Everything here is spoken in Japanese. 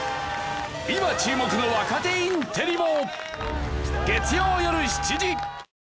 今注目の若手インテリも。